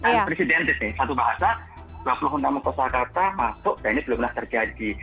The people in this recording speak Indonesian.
kan presidentive nih satu bahasa dua puluh enam kosa kata masuk dan ini belum pernah terjadi